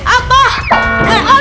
apa yang gaul